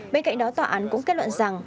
bên cạnh đó tòa án cũng kết luận rằng